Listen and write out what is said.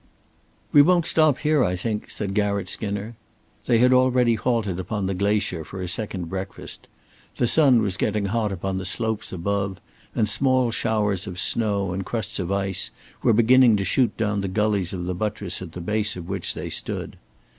"We won't stop here, I think," said Garratt Skinner. They had already halted upon the glacier for a second breakfast. The sun was getting hot upon the slopes above, and small showers of snow and crusts of ice were beginning to shoot down the gullies of the buttress at the base of which they stood.